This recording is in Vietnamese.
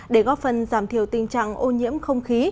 để góp phần giảm thiểu tình trạng ô nhiễm không khí